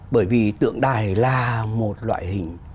bởi vì tượng đài là một loại hình